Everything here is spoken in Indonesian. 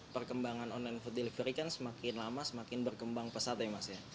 perkembangan online food delivery kan semakin lama semakin berkembang pesat ya mas ya